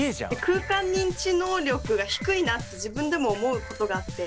空間認知能力が低いなって自分でも思うことがあって。